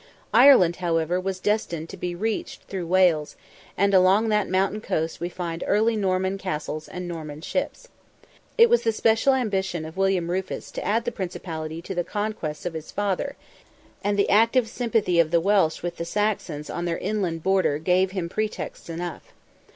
Ireland, however, was destined to be reached through Wales, and along that mountain coast we early find Norman castles and Norman ships. It was the special ambition of William Rufus to add the principality to the conquests of his father, and the active sympathy of the Welsh with the Saxons on their inland border gave him pretexts enough.